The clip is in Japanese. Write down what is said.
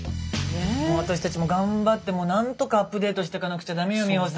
私たちも頑張ってもう何とかアップデートしてかなくちゃ駄目よ美穂さん。